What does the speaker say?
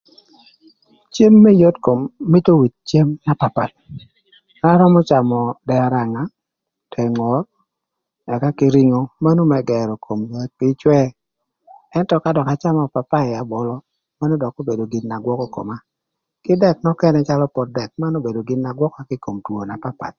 Cem më yot kom, mïtö with cem na papath. An arömö camö dëë öranga, dëë ngor, ëka kï ringo. Manu më gërö kom kür ïcwëë, ëntö ka dökï acamö apapaï, abolo, manu dökï obedo gin na gwökö koma kï dëk nökënë calö pot dëk manu obedo gin na gwöka kï ï kom two na papath.